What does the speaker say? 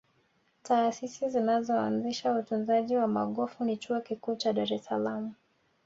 taasisi zinazohasisha utunzaji wa magofu ni chuo Kikuu cha dar es salaam